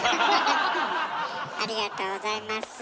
ありがとうございます。